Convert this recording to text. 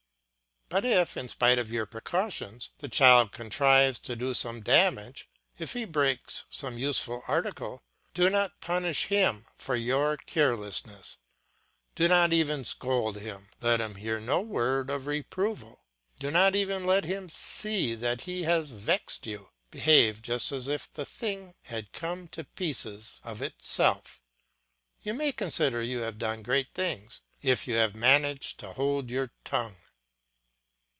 But if, in spite of your precautions, the child contrives to do some damage, if he breaks some useful article, do not punish him for your carelessness, do not even scold him; let him hear no word of reproval, do not even let him see that he has vexed you; behave just as if the thing had come to pieces of itself; you may consider you have done great things if you have managed to hold your tongue.